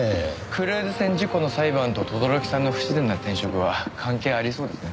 クルーズ船事故の裁判と轟さんの不自然な転職は関係ありそうですね。